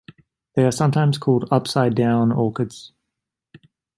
They are sometimes called upside-down orchids.